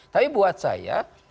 tapi buat saya